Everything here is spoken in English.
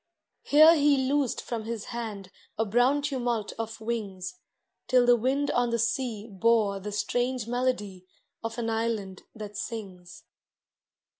Here He loosed from His hand A brown tumult of wings, Till the wind on the sea Bore the strange melody Of an island that sings.